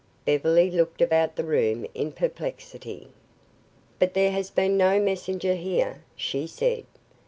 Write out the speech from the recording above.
Beverly looked about the room in perplexity. "But there has been no messenger here," she said.